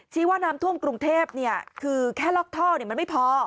ชี้ว่าน้ำท่วมกรุงเทพเนี่ยคือแค่ล็อกท่อเนี่ยมันไม่พอ